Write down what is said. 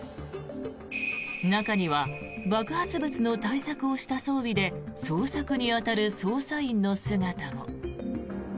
中には爆発物の対策をした装備で捜索に当たる捜査員の姿も。